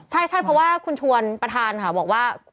ใช่เพราะว่าคุณชวนประธานค่ะบอกว่า